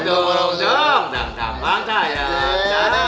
tunggu dong warahmatullah